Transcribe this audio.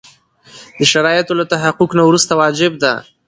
د شرایطو له تحقق نه وروسته واجب ده.